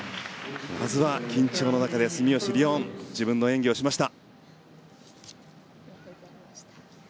まずは緊張の中で住吉りをん自分の演技をしました。